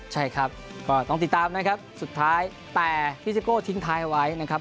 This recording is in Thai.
ใช่ครับก็ต้องติดตามนะครับสุดท้ายแต่พี่ซิโก้ทิ้งท้ายเอาไว้นะครับ